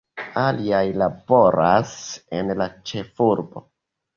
Aliaj laboras en la ĉefurbo.